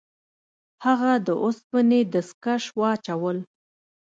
هغه د اوسپنې دستکش واچول.